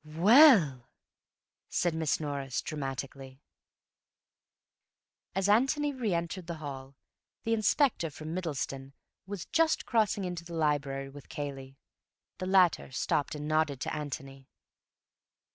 "Well!" said Miss Norris dramatically. As Antony re entered the hall, the Inspector from Middleston was just crossing into the library with Cayley. The latter stopped and nodded to Antony.